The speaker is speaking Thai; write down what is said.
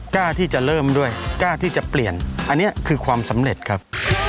กล้าที่จะเริ่มด้วยกล้าที่จะเปลี่ยนอันนี้คือความสำเร็จครับ